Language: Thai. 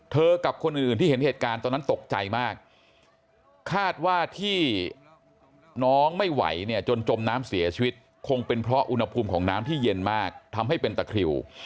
กับคนอื่นที่เห็นเหตุการณ์ตอนนั้นตกใจมากคาดว่าที่น้องไม่ไหวเนี่ยจนจมน้ำเสียชีวิตคงเป็นเพราะอุณหภูมิของน้ำที่เย็นมากทำให้เป็นตะคริว